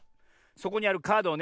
そこにあるカードをね